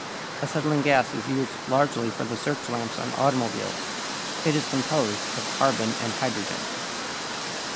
= Acetylene gas is used largely for the search lamps on automobiles. It is composed of carbon and hydrogen.